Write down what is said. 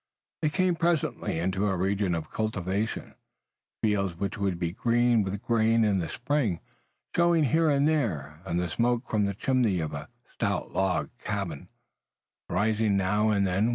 They came presently into a region of cultivation, fields which would be green with grain in the spring, showing here and there, and the smoke from the chimney of a stout log house rising now and then.